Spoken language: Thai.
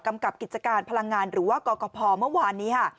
กำกับกิจการพลังงานหรือว่ากอกพอเมื่อวานนี้